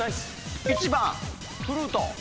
１番フルート。